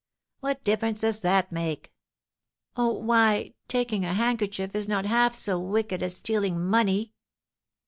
"What difference does that make?" "Oh, why, taking a handkerchief is not half so wicked as stealing money!"